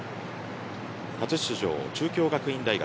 初出場、中京学院大学。